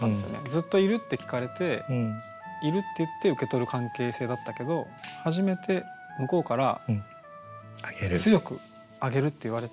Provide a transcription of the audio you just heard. ずっと「いる？」って聞かれて「いる」って言って受け取る関係性だったけど初めて向こうから強く「あげる」って言われて。